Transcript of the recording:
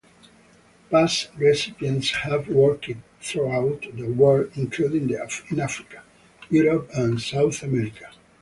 Past recipients have worked throughout the world, including in Africa, Europe and South America.